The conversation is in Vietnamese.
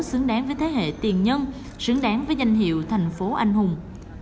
xứng đáng với thế hệ tiền nhân xứng đáng với danh hiệu thành phố anh hùng